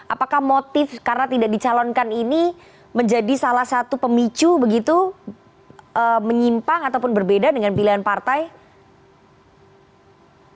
apakah motif karena tidak dicalonkan ini menjadi salah satu pemicu begitu menyimpang ataupun berbeda dengan pilihan partai